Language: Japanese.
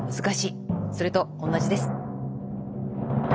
それと同じです。